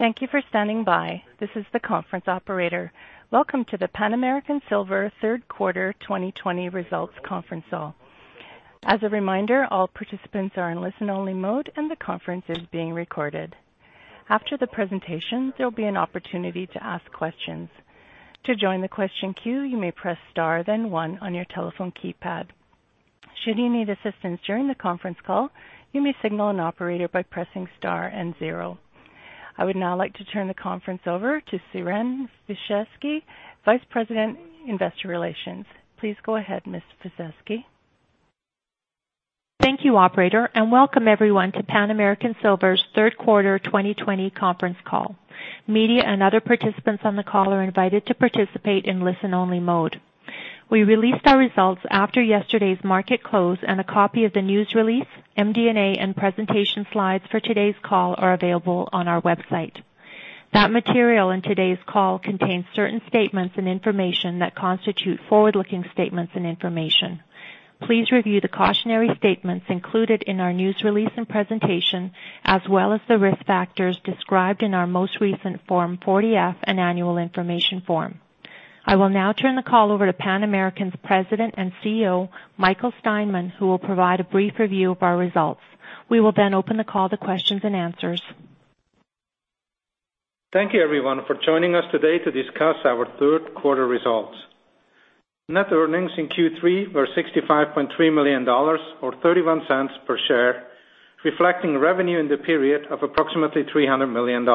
Thank you for standing by. This is the conference operator. Welcome to the Pan American Silver Third Quarter 2020 Results Conference Call. As a reminder, all participants are in listen-only mode, and the conference is being recorded. After the presentation, there will be an opportunity to ask questions. To join the question queue, you may press star, then one on your telephone keypad. Should you need assistance during the conference call, you may signal an operator by pressing star and zero. I would now like to turn the conference over to Siren Fisekci, Vice President, Investor Relations. Please go ahead, Ms. Fisekci. Thank you, Operator, and welcome everyone to Pan American Silver's Third Quarter 2020 Conference Call. Media and other participants on the call are invited to participate in listen-only mode. We released our results after yesterday's market close, and a copy of the news release, MD&A, and presentation slides for today's call are available on our website. That material in today's call contains certain statements and information that constitute forward-looking statements and information. Please review the cautionary statements included in our news release and presentation, as well as the risk factors described in our most recent Form 40-F and Annual Information Form. I will now turn the call over to Pan American's President and CEO, Michael Steinmann, who will provide a brief review of our results. We will then open the call to questions and answers. Thank you, everyone, for joining us today to discuss our third quarter results. Net earnings in Q3 were $65.3 million, or $0.31 per share, reflecting revenue in the period of approximately $300 million.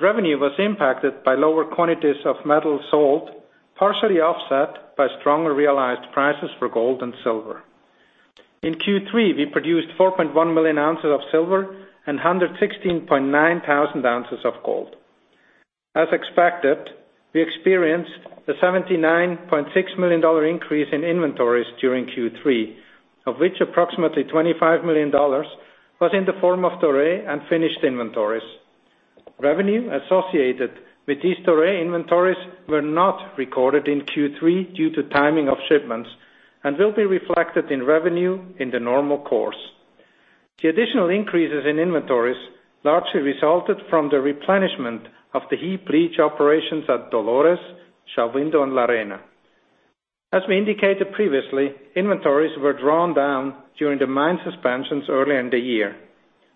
Revenue was impacted by lower quantities of metal sold, partially offset by stronger realized prices for gold and silver. In Q3, we produced 4.1 million ounces of silver and 116.9 thousand ounces of gold. As expected, we experienced a $79.6 million increase in inventories during Q3, of which approximately $25 million was in the form of doré and finished inventories. Revenue associated with these doré inventories were not recorded in Q3 due to timing of shipments and will be reflected in revenue in the normal course. The additional increases in inventories largely resulted from the replenishment of the heap leach operations at Dolores, Shahuindo, and La Arena. As we indicated previously, inventories were drawn down during the mine suspensions earlier in the year,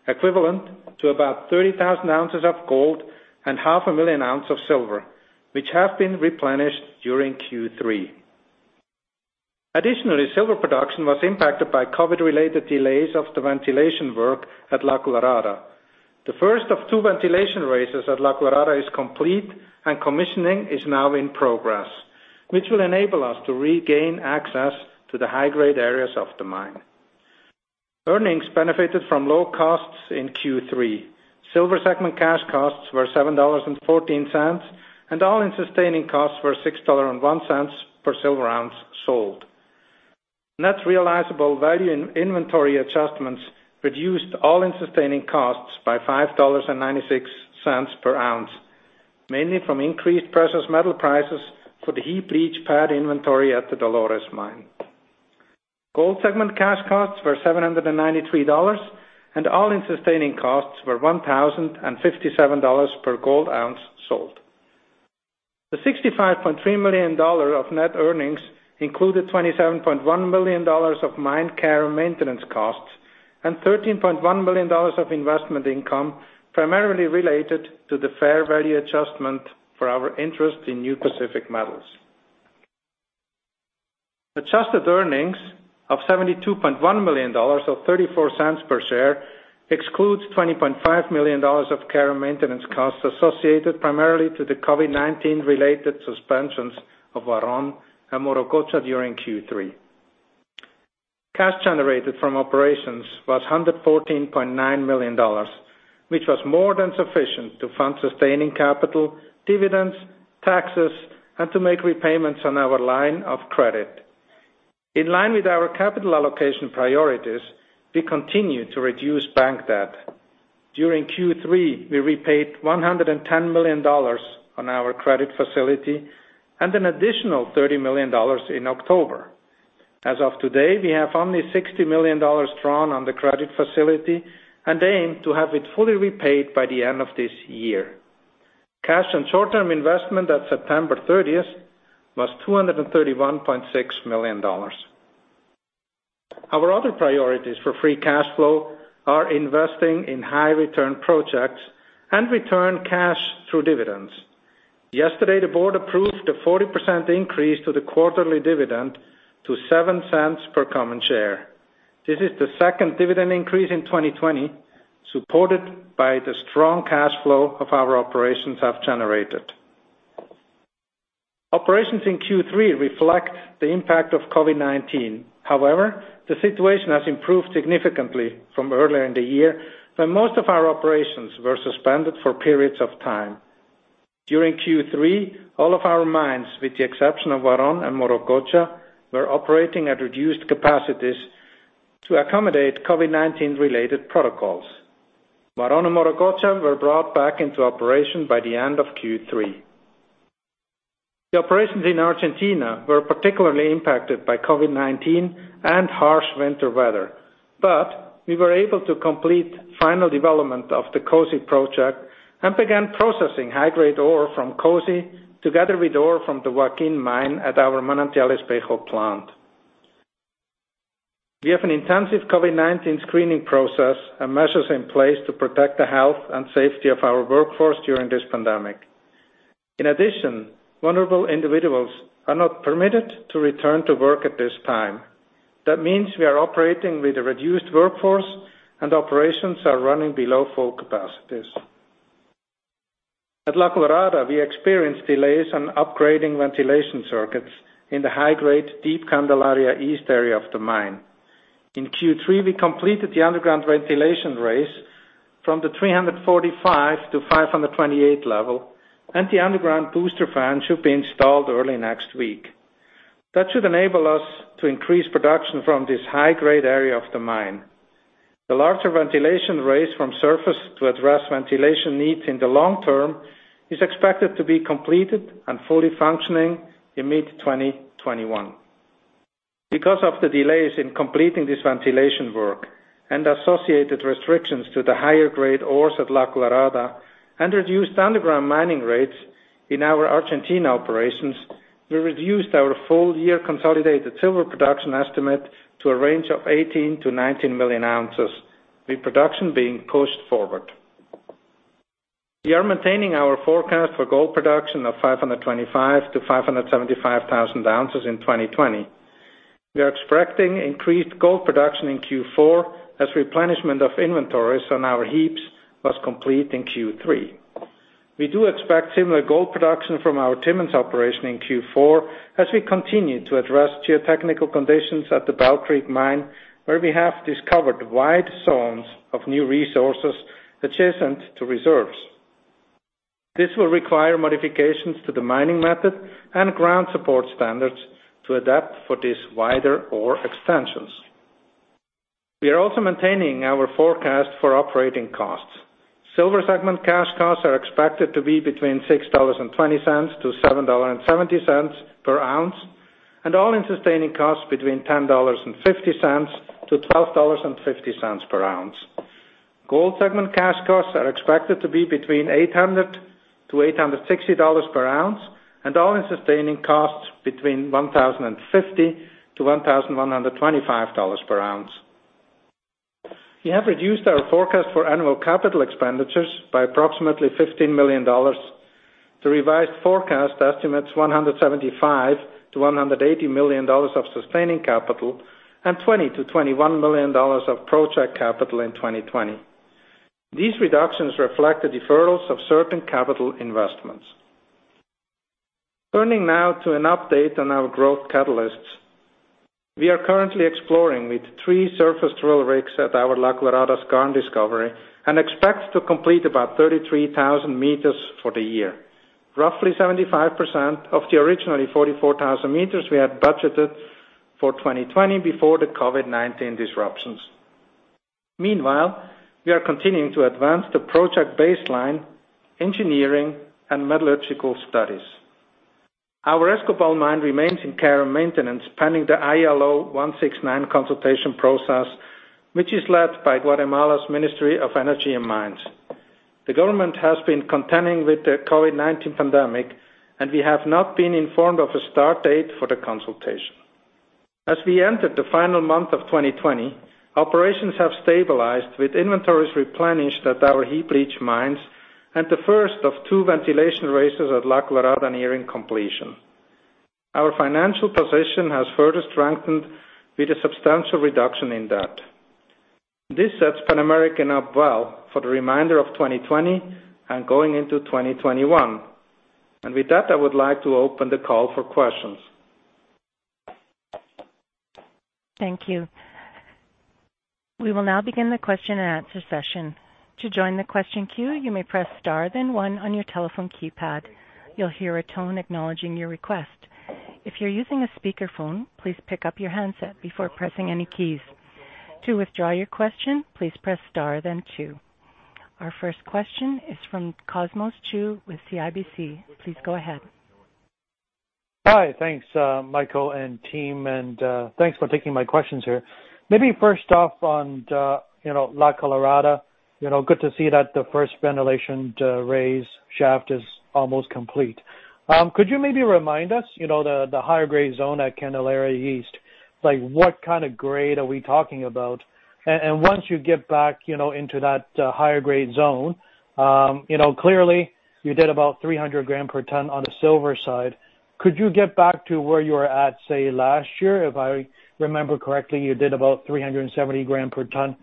equivalent to about 30,000 ounces of gold and 500,000 ounces of silver, which have been replenished during Q3. Additionally, silver production was impacted by COVID-related delays of the ventilation work at La Colorada. The first of two ventilation raises at La Colorada is complete, and commissioning is now in progress, which will enable us to regain access to the high-grade areas of the mine. Earnings benefited from low costs in Q3. Silver segment cash costs were $7.14, and all in sustaining costs were $6.01 per silver ounce sold. Net realizable value in inventory adjustments reduced all in sustaining costs by $5.96 per ounce, mainly from increased precious metal prices for the heap leach pad inventory at the Dolores mine. Gold segment cash costs were $793, and all-in sustaining costs were $1,057 per gold ounce sold. The $65.3 million of net earnings included $27.1 million of mine care and maintenance costs and $13.1 million of investment income, primarily related to the fair value adjustment for our interest in New Pacific Metals. Adjusted earnings of $72.1 million or $0.34 per share excludes $20.5 million of care and maintenance costs associated primarily to the COVID-19-related suspensions of Huaron and Morococha during Q3. Cash generated from operations was $114.9 million, which was more than sufficient to fund sustaining capital, dividends, taxes, and to make repayments on our line of credit. In line with our capital allocation priorities, we continue to reduce bank debt. During Q3, we repaid $110 million on our credit facility and an additional $30 million in October. As of today, we have only $60 million drawn on the credit facility and aim to have it fully repaid by the end of this year. Cash and short-term investment at September 30 was $231.6 million. Our other priorities for free cash flow are investing in high-return projects and return cash through dividends. Yesterday, the board approved a 40% increase to the quarterly dividend to $0.07 per common share. This is the second dividend increase in 2020, supported by the strong cash flow our operations have generated. Operations in Q3 reflect the impact of COVID-19. However, the situation has improved significantly from earlier in the year, when most of our operations were suspended for periods of time. During Q3, all of our mines, with the exception of Huaron and Morococha, were operating at reduced capacities to accommodate COVID-19-related protocols. Huaron and Morococha were brought back into operation by the end of Q3. The operations in Argentina were particularly impacted by COVID-19 and harsh winter weather, but we were able to complete final development of the COSE project and began processing high-grade ore from COSE together with ore from the Joaquin mine at our Manantial Espejo plant. We have an intensive COVID-19 screening process and measures in place to protect the health and safety of our workforce during this pandemic. In addition, vulnerable individuals are not permitted to return to work at this time. That means we are operating with a reduced workforce, and operations are running below full capacities. At La Colorada, we experienced delays on upgrading ventilation circuits in the high-grade, deep Candelaria East area of the mine. In Q3, we completed the underground ventilation raise from the 345 to 528 level, and the underground booster fan should be installed early next week. That should enable us to increase production from this high-grade area of the mine. The larger ventilation raise from surface to address ventilation needs in the long term is expected to be completed and fully functioning in mid-2021. Because of the delays in completing this ventilation work and associated restrictions to the higher-grade ores at La Colorada and reduced underground mining rates in our Argentina operations, we reduced our full-year consolidated silver production estimate to a range of 18-19 million ounces, with production being pushed forward. We are maintaining our forecast for gold production of 525-575 thousand ounces in 2020. We are expecting increased gold production in Q4 as replenishment of inventories on our heaps was complete in Q3. We do expect similar gold production from our Timmins operation in Q4 as we continue to address geotechnical conditions at the Bell Creek mine, where we have discovered wide zones of new resources adjacent to reserves. This will require modifications to the mining method and ground support standards to adapt for this wider ore extensions. We are also maintaining our forecast for operating costs. Silver segment cash costs are expected to be between $6.20-$7.70 per ounce, and all in sustaining costs between $10.50-$12.50 per ounce. Gold segment cash costs are expected to be between $800-$860 per ounce, and all in sustaining costs between $1,050-$1,125 per ounce. We have reduced our forecast for annual capital expenditures by approximately $15 million. The revised forecast estimates $175-$180 million of sustaining capital and $20-$21 million of project capital in 2020. These reductions reflect the deferrals of certain capital investments. Turning now to an update on our growth catalysts. We are currently exploring with three surface drill rigs at our La Colorada Skarn Discovery and expect to complete about 33,000 meters for the year, roughly 75% of the originally 44,000 meters we had budgeted for 2020 before the COVID-19 disruptions. Meanwhile, we are continuing to advance the project baseline, engineering, and metallurgical studies. Our Escobal mine remains in care and maintenance, pending the ILO 169 consultation process, which is led by Guatemala's Ministry of Energy and Mines. The government has been contending with the COVID-19 pandemic, and we have not been informed of a start date for the consultation. As we entered the final month of 2020, operations have stabilized with inventories replenished at our heap leach mines and the first of two ventilation raises at La Colorada nearing completion. Our financial position has further strengthened with a substantial reduction in debt. This sets Pan American up well for the remainder of 2020 and going into 2021, and with that, I would like to open the call for questions. Thank you. We will now begin the question and answer session. To join the question queue, you may press star, then one on your telephone keypad. You'll hear a tone acknowledging your request. If you're using a speakerphone, please pick up your handset before pressing any keys. To withdraw your question, please press star, then two. Our first question is from Cosmos Chiu with CIBC. Please go ahead. Hi, thanks, Michael and team, and thanks for taking my questions here. Maybe first off on La Colorada, good to see that the first ventilation raise shaft is almost complete. Could you maybe remind us the higher-grade zone at Candelaria East? What kind of grade are we talking about? And once you get back into that higher-grade zone, clearly you did about 300 grams per ton on the silver side. Could you get back to where you were at, say, last year? If I remember correctly, you did about 370 grams per ton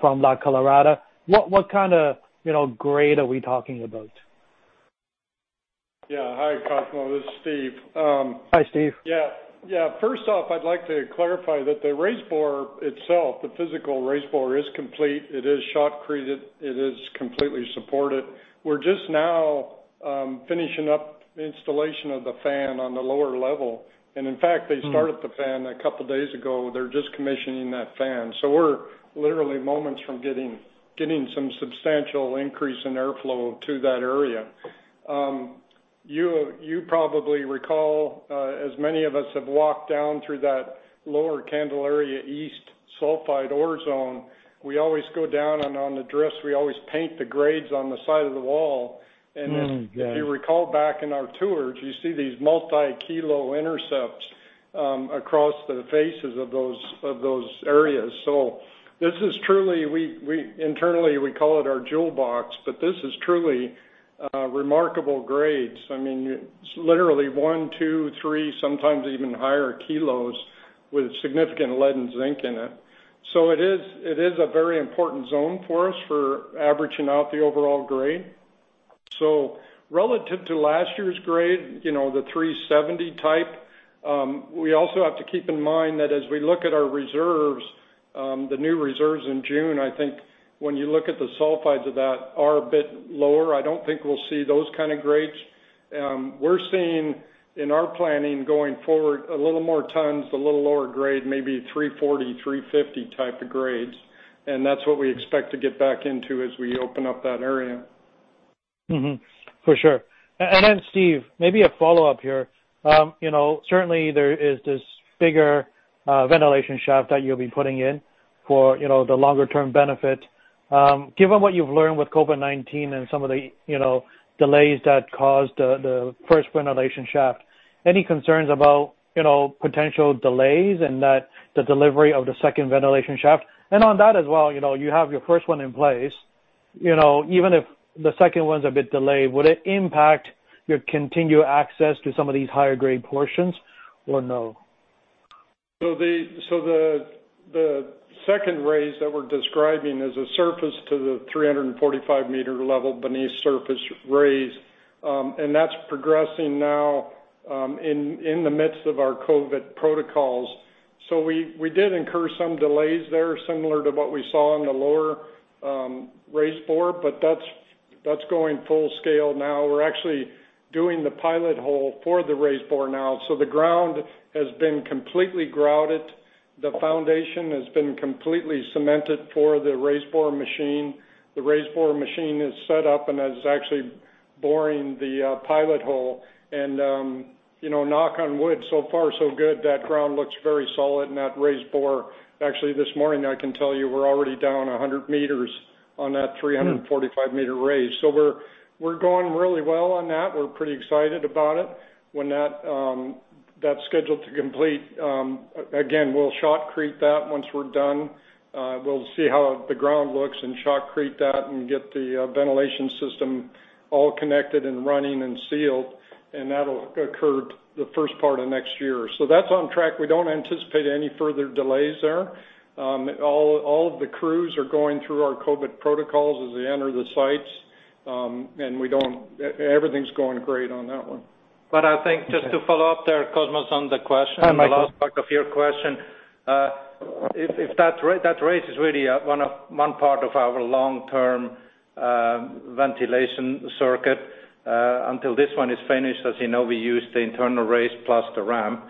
from La Colorada. What kind of grade are we talking about? Yeah. Hi, Cosmos. This is Steve. Hi, Steve. Yeah. Yeah. First off, I'd like to clarify that the raise bore itself, the physical raise bore, is complete. It is shotcreted. It is completely supported. We're just now finishing up installation of the fan on the lower level. And in fact, they started the fan a couple of days ago. They're just commissioning that fan. So we're literally moments from getting some substantial increase in airflow to that area. You probably recall, as many of us have walked down through that lower Candelaria East sulfide ore zone, we always go down and on the drifts, we always paint the grades on the side of the wall. And if you recall back in our tours, you see these multi-kilo intercepts across the faces of those areas. So this is truly internally, we call it our jewel box, but this is truly remarkable grades. I mean, literally one, two, three, sometimes even higher kilos with significant lead and zinc in it. So it is a very important zone for us for averaging out the overall grade. So relative to last year's grade, the 370 type, we also have to keep in mind that as we look at our reserves, the new reserves in June, I think when you look at the sulfides of that, are a bit lower. I don't think we'll see those kind of grades. We're seeing in our planning going forward a little more tons, a little lower grade, maybe 340, 350 type of grades, and that's what we expect to get back into as we open up that area. For sure. And then, Steve, maybe a follow-up here. Certainly, there is this bigger ventilation shaft that you'll be putting in for the longer-term benefit. Given what you've learned with COVID-19 and some of the delays that caused the first ventilation shaft, any concerns about potential delays in the delivery of the second ventilation shaft? And on that as well, you have your first one in place. Even if the second one's a bit delayed, would it impact your continued access to some of these higher-grade portions or no? The second raise that we're describing is a surface to the 345-meter level beneath surface raise, and that's progressing now in the midst of our COVID protocols. We did incur some delays there, similar to what we saw in the lower raise bore, but that's going full scale now. We're actually doing the pilot hole for the raise bore now. The ground has been completely grouted. The foundation has been completely cemented for the raise bore machine. The raise bore machine is set up and is actually boring the pilot hole. And knock on wood, so far so good, that ground looks very solid in that raise bore. Actually, this morning, I can tell you we're already down 100 meters on that 345-meter raise. We're going really well on that. We're pretty excited about it. When that's scheduled to complete, again, we'll shotcrete that once we're done. We'll see how the ground looks and shotcrete that and get the ventilation system all connected and running and sealed, and that'll occur the first part of next year, so that's on track. We don't anticipate any further delays there. All of the crews are going through our COVID protocols as they enter the sites, and everything's going great on that one. But I think just to follow up there, Cosmos, on the question. I'm here. I lost track of your question. If that raise is really one part of our long-term ventilation circuit, until this one is finished, as you know, we use the internal raise plus the ramp.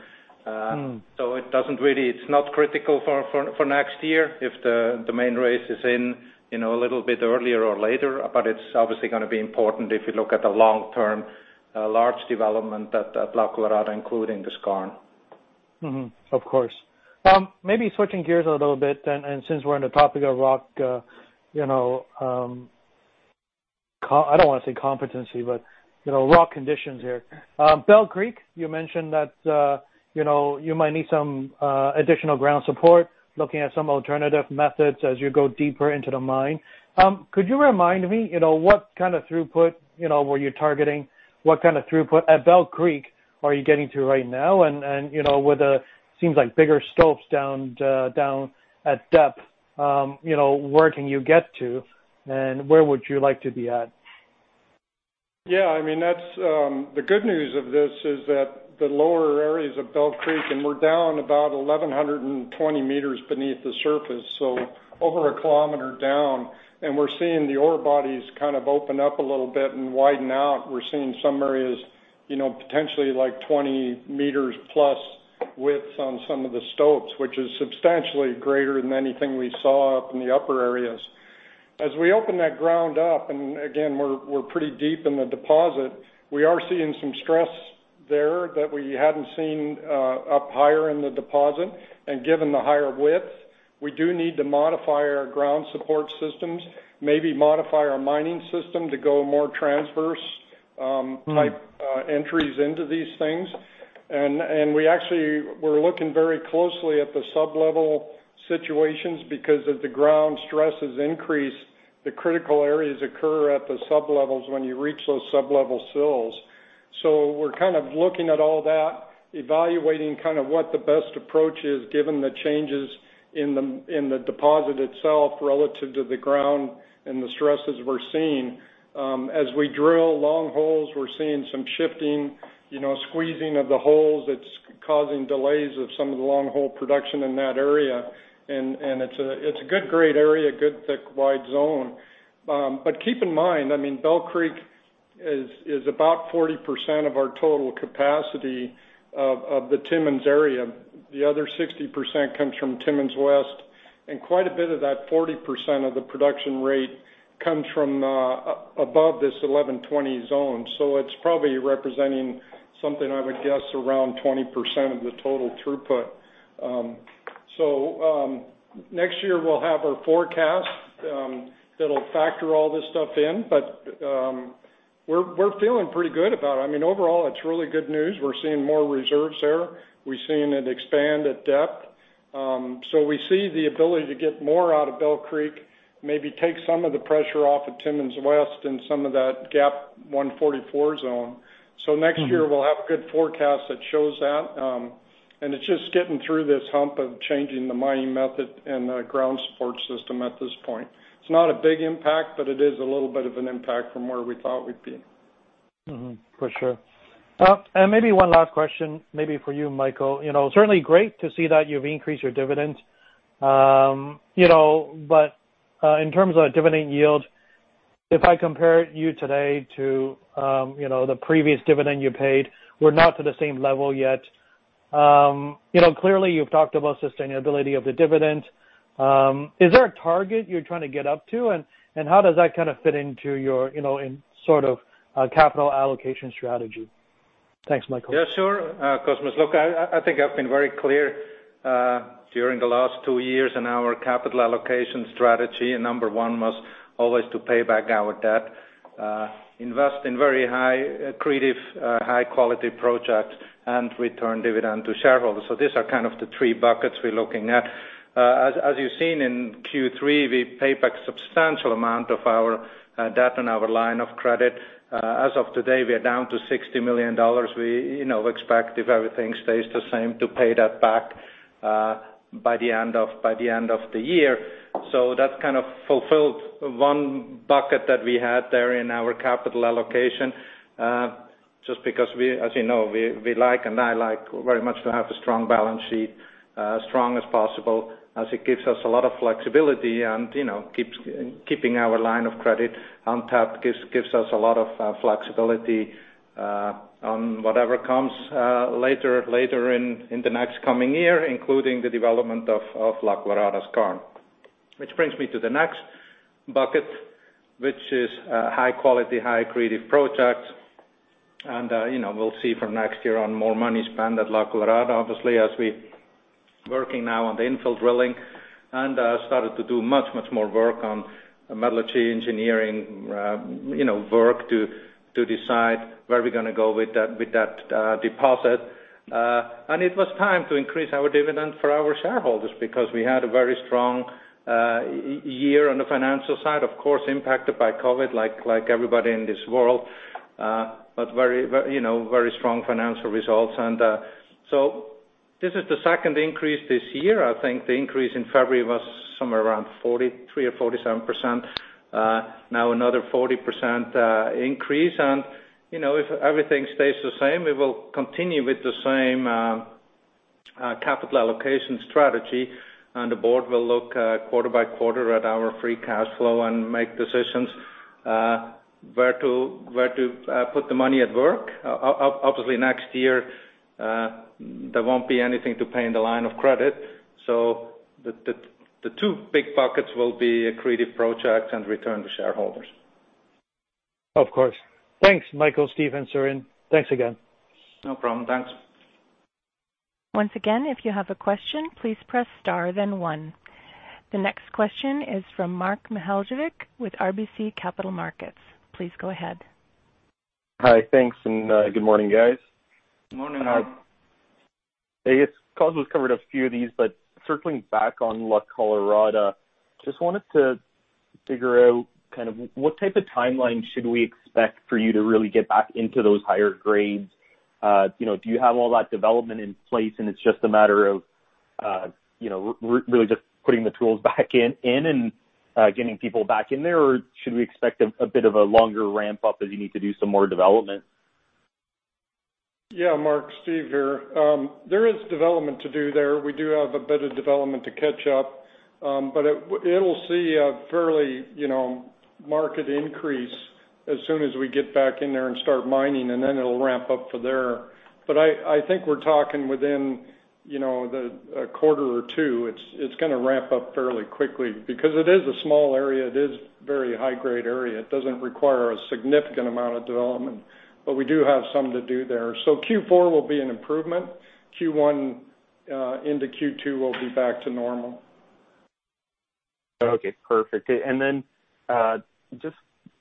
So it's not critical for next year if the main raise is in a little bit earlier or later, but it's obviously going to be important if you look at the long-term large development at La Colorada, including the Skarn. Of course. Maybe switching gears a little bit, and since we're on the topic of rock, I don't want to say competency, but rock conditions here. Bell Creek, you mentioned that you might need some additional ground support, looking at some alternative methods as you go deeper into the mine. Could you remind me what kind of throughput were you targeting? What kind of throughput at Bell Creek are you getting to right now? And with the, seems like, bigger slopes down at depth, where can you get to, and where would you like to be at? Yeah. I mean, the good news of this is that the lower areas of Bell Creek, and we're down about 1,120 meters beneath the surface, so over a kilometer down. And we're seeing the ore bodies kind of open up a little bit and widen out. We're seeing some areas potentially like 20 meters plus width on some of the slopes, which is substantially greater than anything we saw up in the upper areas. As we open that ground up, and again, we're pretty deep in the deposit, we are seeing some stress there that we hadn't seen up higher in the deposit. And given the higher width, we do need to modify our ground support systems, maybe modify our mining system to go more transverse-type entries into these things. We actually were looking very closely at the sublevel situations because as the ground stress is increased, the critical areas occur at the sublevels when you reach those sublevel sills. We're kind of looking at all that, evaluating kind of what the best approach is given the changes in the deposit itself relative to the ground and the stresses we're seeing. As we drill long holes, we're seeing some shifting, squeezing of the holes that's causing delays of some of the long hole production in that area. It's a good, great area, good, thick, wide zone. Keep in mind, I mean, Bell Creek is about 40% of our total capacity of the Timmins area. The other 60% comes from Timmins West. Quite a bit of that 40% of the production rate comes from above this 1,120 zone. So it's probably representing something, I would guess, around 20% of the total throughput. So next year, we'll have our forecast that'll factor all this stuff in, but we're feeling pretty good about it. I mean, overall, it's really good news. We're seeing more reserves there. We've seen it expand at depth. So we see the ability to get more out of Bell Creek, maybe take some of the pressure off of Timmins West and some of that Gap 144 zone. So next year, we'll have a good forecast that shows that. And it's just getting through this hump of changing the mining method and the ground support system at this point. It's not a big impact, but it is a little bit of an impact from where we thought we'd be. For sure. And maybe one last question, maybe for you, Michael. Certainly great to see that you've increased your dividend. But in terms of dividend yield, if I compare you today to the previous dividend you paid, we're not to the same level yet. Clearly, you've talked about sustainability of the dividend. Is there a target you're trying to get up to, and how does that kind of fit into your sort of capital allocation strategy? Thanks, Michael. Yeah, sure. Cosmos, look, I think I've been very clear during the last two years in our capital allocation strategy. And number one was always to pay back our debt, invest in very creative, high-quality projects, and return dividend to shareholders. So these are kind of the three buckets we're looking at. As you've seen in Q3, we paid back a substantial amount of our debt and our line of credit. As of today, we are down to $60 million. We expect, if everything stays the same, to pay that back by the end of the year. So that kind of fulfilled one bucket that we had there in our capital allocation. Just because, as you know, we like, and I like very much to have a strong balance sheet, as strong as possible, as it gives us a lot of flexibility and keeping our line of credit untapped gives us a lot of flexibility on whatever comes later in the next coming year, including the development of La Colorada Skarn. Which brings me to the next bucket, which is high-quality, high-grade projects. And we'll see from next year on more money spent at La Colorada, obviously, as we're working now on the infill drilling and started to do much, much more work on metallurgical engineering work to decide where we're going to go with that deposit. It was time to increase our dividend for our shareholders because we had a very strong year on the financial side, of course, impacted by COVID, like everybody in this world, but very strong financial results. And so this is the second increase this year. I think the increase in February was somewhere around 43% or 47%. Now, another 40% increase. And if everything stays the same, we will continue with the same capital allocation strategy. And the board will look quarter by quarter at our free cash flow and make decisions where to put the money to work. Obviously, next year, there won't be anything to pay in the line of credit. So the two big buckets will be a capex project and return to shareholders. Of course. Thanks, Michael, Steve, and Siren. Thanks again. No problem. Thanks. Once again, if you have a question, please press star, then one. The next question is from Mark Mihaljevic with RBC Capital Markets. Please go ahead. Hi, thanks, and good morning, guys. Good morning, Mark. Hey, Cosmos covered a few of these, but circling back on La Colorada, just wanted to figure out kind of what type of timeline should we expect for you to really get back into those higher grades? Do you have all that development in place, and it's just a matter of really just putting the tools back in and getting people back in there, or should we expect a bit of a longer ramp up as you need to do some more development? Yeah, Mark. Steve here. There is development to do there. We do have a bit of development to catch up, but it'll see a fairly marked increase as soon as we get back in there and start mining, and then it'll ramp up from there. But I think we're talking within a quarter or two. It's going to ramp up fairly quickly because it is a small area. It is a very high-grade area. It doesn't require a significant amount of development, but we do have some to do there. So Q4 will be an improvement. Q1 into Q2 will be back to normal. Okay, perfect. And then just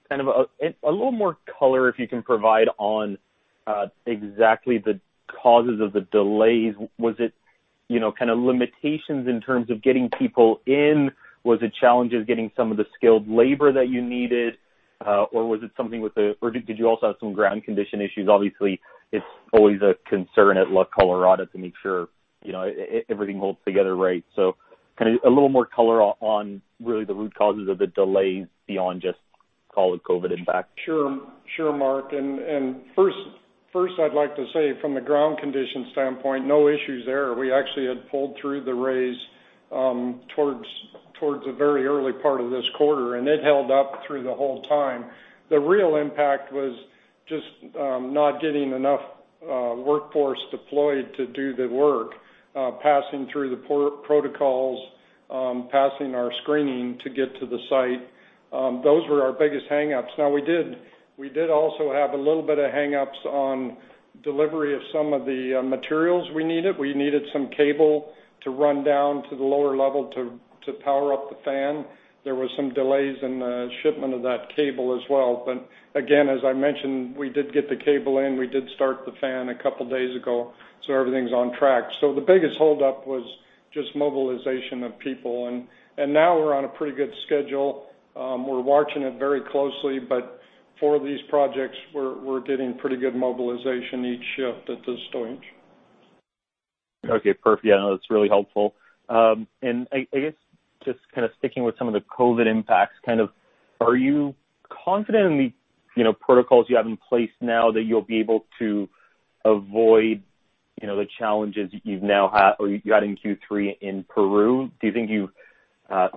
kind of a little more color, if you can provide on exactly the causes of the delays. Was it kind of limitations in terms of getting people in? Was it challenges getting some of the skilled labor that you needed, or was it something with the, or did you also have some ground condition issues? Obviously, it's always a concern at La Colorada to make sure everything holds together right. So kind of a little more color on really the root causes of the delays beyond just, call it, COVID impact. Sure, Mark. First, I'd like to say from the ground condition standpoint, no issues there. We actually had pulled through the raise towards the very early part of this quarter, and it held up through the whole time. The real impact was just not getting enough workforce deployed to do the work, passing through the protocols, passing our screening to get to the site. Those were our biggest hangups. Now, we did also have a little bit of hangups on delivery of some of the materials we needed. We needed some cable to run down to the lower level to power up the fan. There were some delays in the shipment of that cable as well. But again, as I mentioned, we did get the cable in. We did start the fan a couple of days ago, so everything's on track. So the biggest holdup was just mobilization of people. And now we're on a pretty good schedule. We're watching it very closely, but for these projects, we're getting pretty good mobilization each shift at this stage. Okay, perfect. Yeah, that's really helpful. I guess just kind of sticking with some of the COVID impacts, kind of. Are you confident in the protocols you have in place now that you'll be able to avoid the challenges you've now had or you had in Q3 in Peru? Do you think you've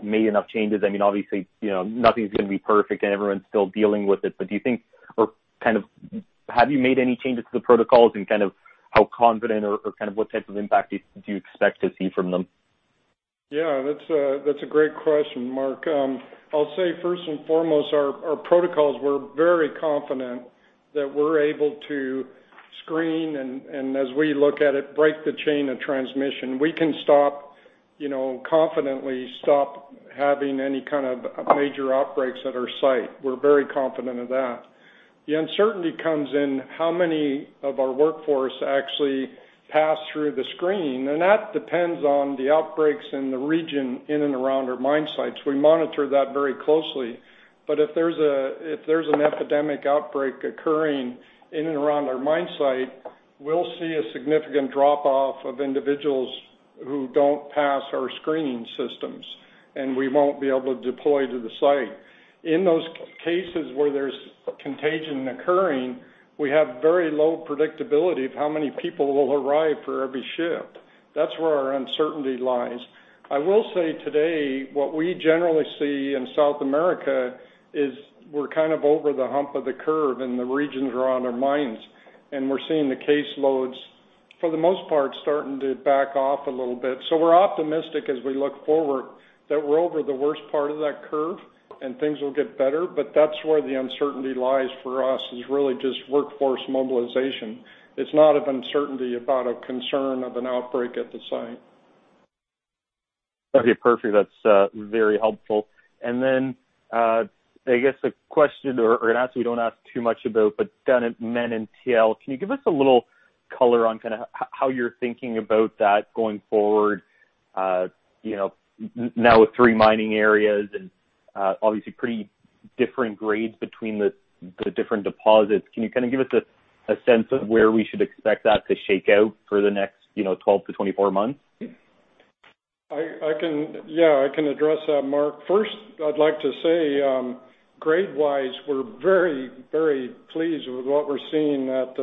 made enough changes? I mean, obviously, nothing's going to be perfect and everyone's still dealing with it, but do you think, or kind of have you made any changes to the protocols and kind of how confident or kind of what type of impact do you expect to see from them? Yeah, that's a great question, Mark. I'll say first and foremost, our protocols, we're very confident that we're able to screen and, as we look at it, break the chain of transmission. We can confidently stop having any kind of major outbreaks at our site. We're very confident of that. The uncertainty comes in how many of our workforce actually pass through the screen, and that depends on the outbreaks in the region in and around our mine sites. We monitor that very closely, but if there's an epidemic outbreak occurring in and around our mine site, we'll see a significant drop-off of individuals who don't pass our screening systems, and we won't be able to deploy to the site. In those cases where there's contagion occurring, we have very low predictability of how many people will arrive for every shift. That's where our uncertainty lies. I will say today, what we generally see in South America is we're kind of over the hump of the curve in the regions around our mines, and we're seeing the caseloads, for the most part, starting to back off a little bit. So we're optimistic as we look forward that we're over the worst part of that curve and things will get better. But that's where the uncertainty lies for us is really just workforce mobilization. It's not of uncertainty about a concern of an outbreak at the site. Okay, perfect. That's very helpful. And then I guess a question or an answer we don't ask too much about, but the Manantial, can you give us a little color on kind of how you're thinking about that going forward now with three mining areas and obviously pretty different grades between the different deposits? Can you kind of give us a sense of where we should expect that to shake out for the next 12-24 months? Yeah, I can address that, Mark. First, I'd like to say, grade-wise, we're very, very pleased with what we're seeing at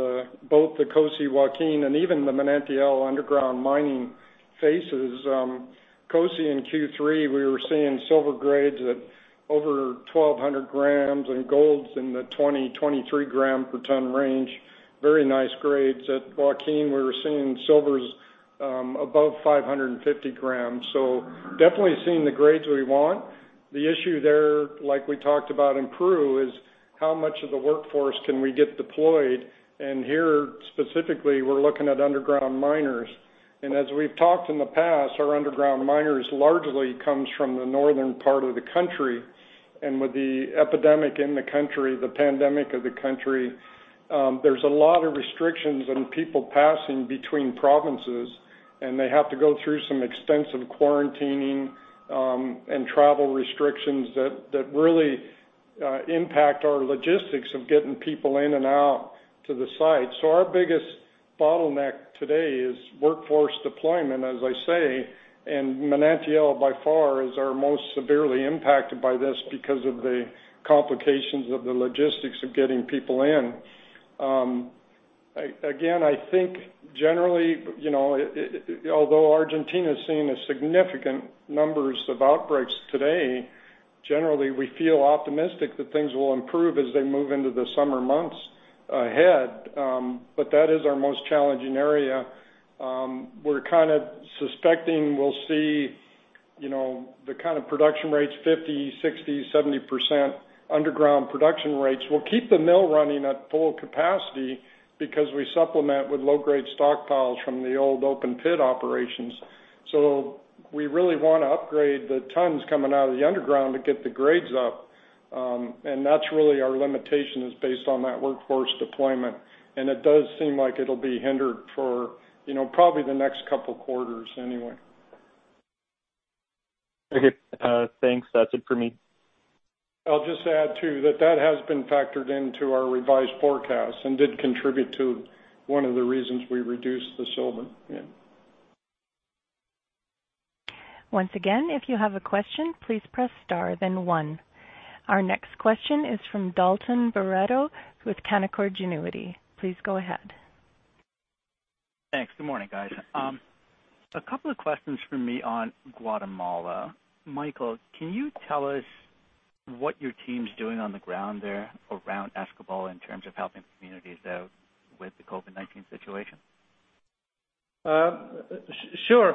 both the COSE and Joaquin and even the Manantial underground mining phases. COSE in Q3, we were seeing silver grades at over 1,200 grams and gold in the 20-23 grams per ton range. Very nice grades. At Joaquin, we were seeing silver above 550 grams. So definitely seeing the grades we want. The issue there, like we talked about in Peru, is how much of the workforce can we get deployed? And here, specifically, we're looking at underground miners. And as we've talked in the past, our underground miners largely come from the northern part of the country. With the epidemic in the country, the pandemic of the country, there's a lot of restrictions on people passing between provinces, and they have to go through some extensive quarantining and travel restrictions that really impact our logistics of getting people in and out to the site. Our biggest bottleneck today is workforce deployment, as I say. Manantial, by far, is our most severely impacted by this because of the complications of the logistics of getting people in. Again, I think generally, although Argentina is seeing significant numbers of outbreaks today, generally, we feel optimistic that things will improve as they move into the summer months ahead. That is our most challenging area. We're kind of suspecting we'll see the kind of production rates, 50%, 60%, 70% underground production rates. We'll keep the mill running at full capacity because we supplement with low-grade stockpiles from the old open pit operations, so we really want to upgrade the tons coming out of the underground to get the grades up, and that's really our limitation based on that workforce deployment, and it does seem like it'll be hindered for probably the next couple of quarters anyway. Okay, thanks. That's it for me. I'll just add to that that has been factored into our revised forecast and did contribute to one of the reasons we reduced the silver. Once again, if you have a question, please press star, then one. Our next question is from Dalton Baretto with Canaccord Genuity. Please go ahead. Thanks. Good morning, guys. A couple of questions for me on Guatemala. Michael, can you tell us what your team's doing on the ground there around Escobal in terms of helping communities out with the COVID-19 situation? Sure.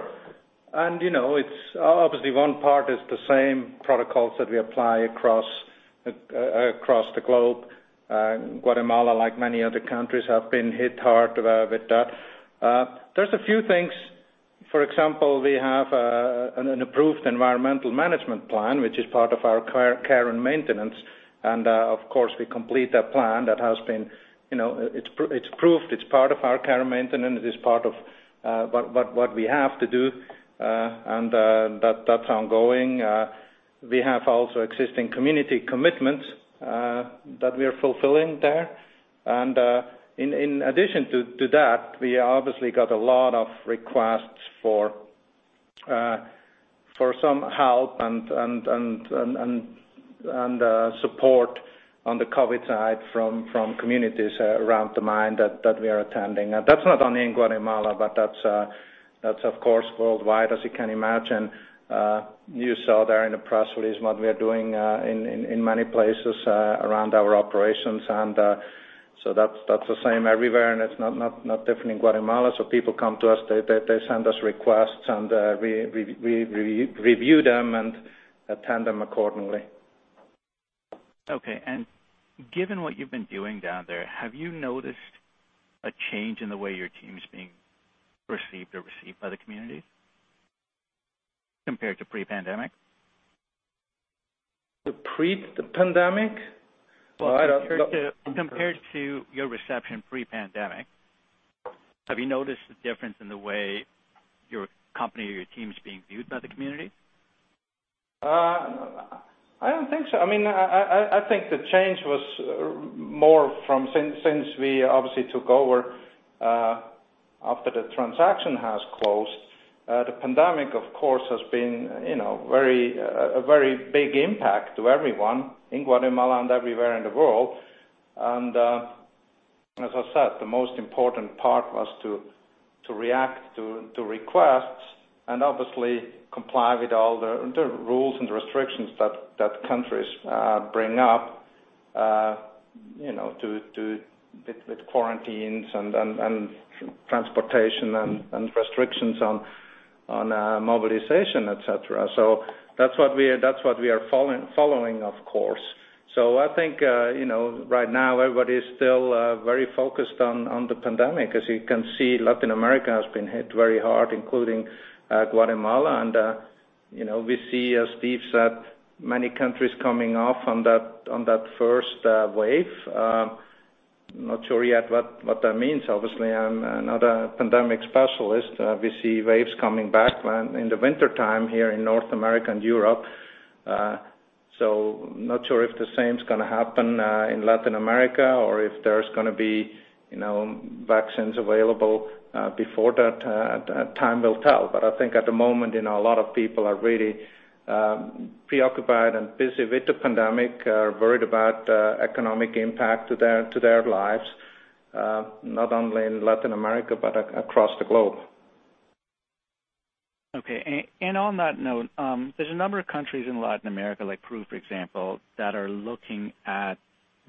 And obviously, one part is the same protocols that we apply across the globe. Guatemala, like many other countries, have been hit hard with that. There's a few things. For example, we have an approved environmental management plan, which is part of our care and maintenance. And of course, we complete that plan. That has been approved. It's part of our care and maintenance. It is part of what we have to do. And that's ongoing. We have also existing community commitments that we are fulfilling there. And in addition to that, we obviously got a lot of requests for some help and support on the COVID side from communities around the mine that we are attending. And that's not only in Guatemala, but that's, of course, worldwide, as you can imagine. You saw there in the press release what we are doing in many places around our operations. That's the same everywhere, and it's not different in Guatemala. People come to us, they send us requests, and we review them and attend them accordingly. Okay. And given what you've been doing down there, have you noticed a change in the way your team's being perceived or received by the community compared to pre-pandemic? The pre-pandemic? I don't think so. Compared to your reception pre-pandemic, have you noticed a difference in the way your company or your team's being viewed by the community? I don't think so. I mean, I think the change was more from since we obviously took over after the transaction has closed. The pandemic, of course, has been a very big impact to everyone in Guatemala and everywhere in the world. And as I said, the most important part was to react to requests and obviously comply with all the rules and restrictions that countries bring up with quarantines and transportation and restrictions on mobilization, etc. So that's what we are following, of course. So I think right now, everybody is still very focused on the pandemic. As you can see, Latin America has been hit very hard, including Guatemala. And we see, as Steve said, many countries coming off on that first wave. Not sure yet what that means. Obviously, I'm not a pandemic specialist. We see waves coming back in the wintertime here in North America and Europe. So not sure if the same's going to happen in Latin America or if there's going to be vaccines available before that. Time will tell. But I think at the moment, a lot of people are really preoccupied and busy with the pandemic, worried about economic impact to their lives, not only in Latin America, but across the globe. Okay. And on that note, there's a number of countries in Latin America, like Peru, for example, that are looking at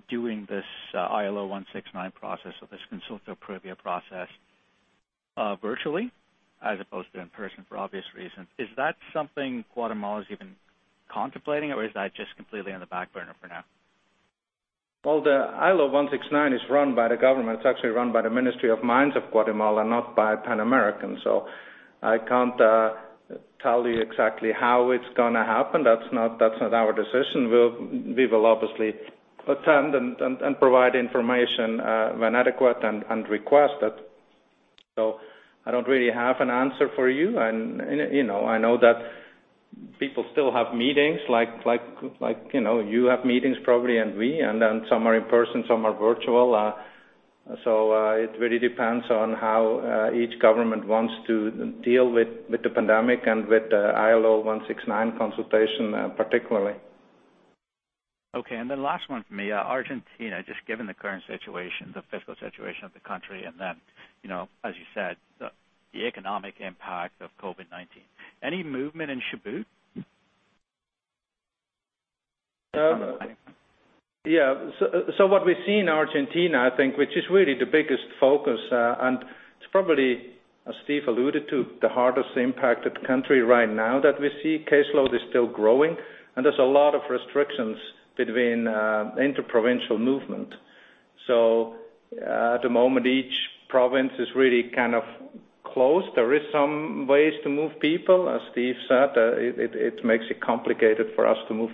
doing this ILO 169 process or this Consulta Previa process virtually as opposed to in person for obvious reasons. Is that something Guatemala is even contemplating, or is that just completely on the back burner for now? The ILO 169 is run by the government. It's actually run by the Ministry of Mines of Guatemala, not by Pan American. I can't tell you exactly how it's going to happen. That's not our decision. We will obviously attend and provide information when adequate and requested. I don't really have an answer for you. I know that people still have meetings, like you have meetings probably and we, and then some are in person, some are virtual. It really depends on how each government wants to deal with the pandemic and with the ILO 169 consultation particularly. Okay. And then last one for me, Argentina, just given the current situation, the fiscal situation of the country, and then, as you said, the economic impact of COVID-19. Any movement in Chubut? Yeah. So what we see in Argentina, I think, which is really the biggest focus, and it's probably, as Steve alluded to, the hardest impacted country right now that we see. Caseload is still growing, and there's a lot of restrictions between interprovincial movement. So at the moment, each province is really kind of closed. There are some ways to move people. As Steve said, it makes it complicated for us to move,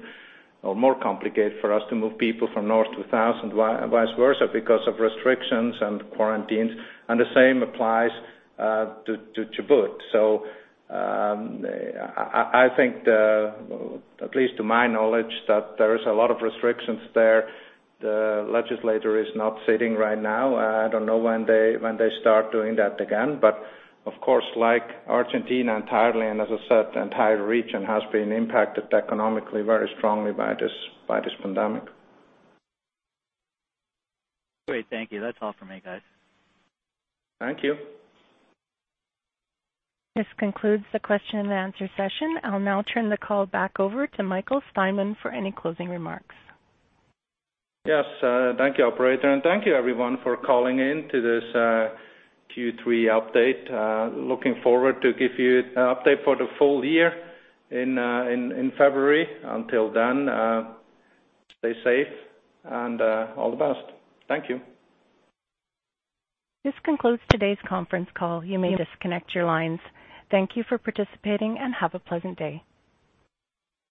or more complicated for us to move people from north to south and vice versa because of restrictions and quarantines. And the same applies to Chubut. So I think, at least to my knowledge, that there is a lot of restrictions there. The legislature is not sitting right now. I don't know when they start doing that again. But of course, like Argentina entirely, and as I said, the entire region has been impacted economically very strongly by this pandemic. Great. Thank you. That's all for me, guys. Thank you. This concludes the question and answer session. I'll now turn the call back over to Michael Steinmann for any closing remarks. Yes. Thank you, Operator. And thank you, everyone, for calling in to this Q3 update. Looking forward to give you an update for the full year in February. Until then, stay safe and all the best. Thank you. This concludes today's conference call. You may disconnect your lines. Thank you for participating and have a pleasant day.